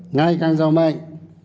ngày càng giàu mạnh